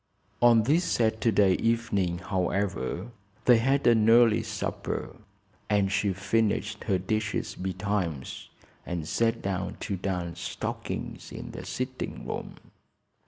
On this Saturday evening, however, they had an early supper and she finished her dishes betimes and sat down to darn stockings in the sitting room.